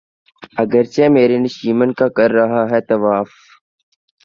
اگرچہ میرے نشیمن کا کر رہا ہے طواف